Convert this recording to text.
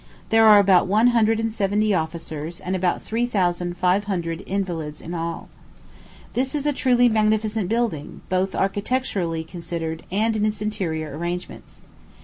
There are about one hundred and seventy officers, and about three thousand fire hundred invalids in all. This is a truly magnificent building, both architecturally considered and in its interior arrangements.